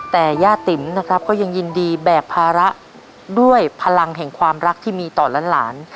แต่ย่าติ๋มนะครับก็ยังยินดีแบกภาระด้วยพลังแห่งความรักที่มีต่อหลาน